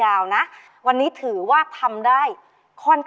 อยากแต่งานกับเธออยากแต่งานกับเธอ